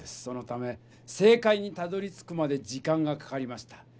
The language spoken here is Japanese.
そのため正かいにたどりつくまで時間がかかりました。